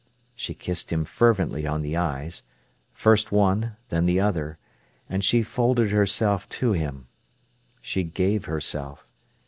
She kissed him fervently on the eyes, first one, then the other, and she folded herself to him. She gave herself.